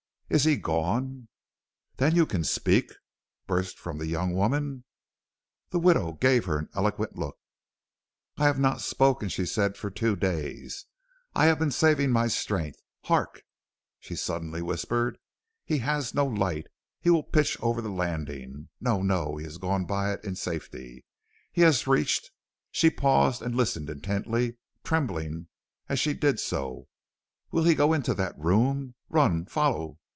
"'Is he gone?' "'Then you can speak,' burst from the young woman. "The widow gave her an eloquent look. "'I have not spoken,' said she, 'for two days; I have been saving my strength. Hark!' she suddenly whispered. 'He has no light, he will pitch over the landing. No, no, he has gone by it in safety, he has reached ' she paused and listened intently, trembling as she did so 'Will he go into that room? Run! follow!